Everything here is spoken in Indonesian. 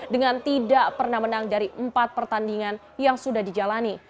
dengan tidak pernah menang dari empat pertandingan yang sudah dijalani